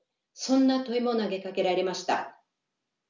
そんな問いも投げかけられました。